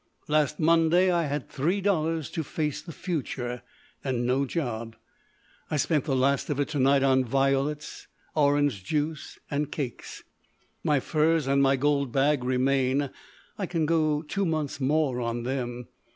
Last Monday I had three dollars to face the future—and no job. I spent the last of it to night on violets, orange juice and cakes. My furs and my gold bag remain. I can go two months more on them.